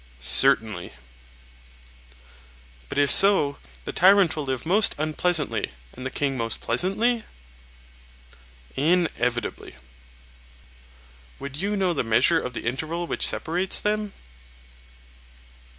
Certainly. But if so, the tyrant will live most unpleasantly, and the king most pleasantly? Inevitably. Would you know the measure of the interval which separates them?